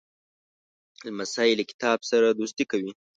لمسی له کتاب سره دوستي کوي.